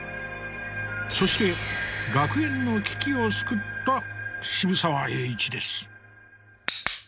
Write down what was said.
そして学園の危機を救った渋沢栄一です。